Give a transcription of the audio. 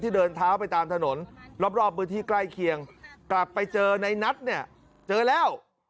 เดินเท้าไปตามถนนรอบพื้นที่ใกล้เคียงกลับไปเจอในนัทเนี่ยเจอแล้ว